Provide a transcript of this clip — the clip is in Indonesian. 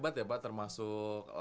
berarti hebat ya pak termasuk